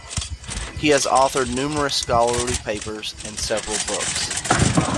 He has authored numerous scholarly papers and several books.